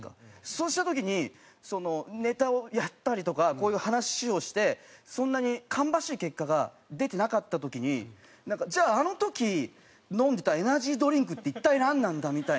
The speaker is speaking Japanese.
そうした時にネタをやったりとかこういう話をしてそんなに芳しい結果が出てなかった時にじゃああの時飲んでたエナジードリンクって一体なんなんだ？みたいな。